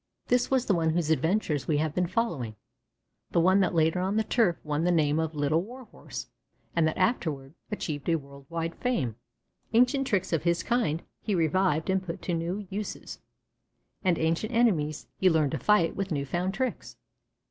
This was the one whose adventures we have been following, the one that later on the turf won the name of Little Warhorse and that afterward achieved a world wide fame. Ancient tricks of his kind he revived and put to new uses, and ancient enemies he learned to fight with new found tricks.